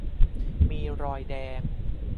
มีรอยแดง